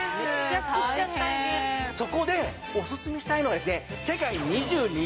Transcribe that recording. そこでオススメしたいのが。